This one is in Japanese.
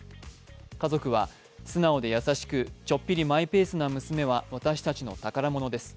家族は素直で優しくちょっぴりマイペースな娘は私たちの宝物です。